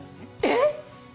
えっ！？